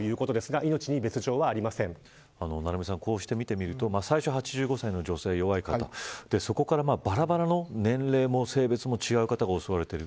成三さん、こうして見てみると最初は８５歳の女性、弱い方そこからばらばらの、年齢も性別も違う方が襲われている。